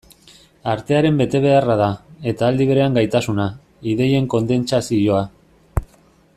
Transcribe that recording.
Artearen betebeharra da, eta aldi berean gaitasuna, ideien kondentsazioa.